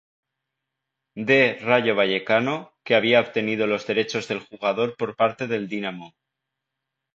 D Rayo Vallecano, que había obtenido los derechos del jugador por parte del Dinamo.